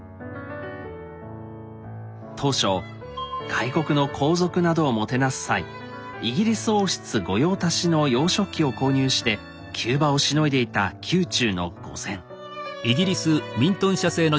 当初外国の皇族などをもてなす際イギリス王室御用達の洋食器を購入して急場をしのいでいた宮中の御膳。